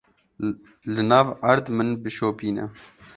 Li nav erd min bişopîne.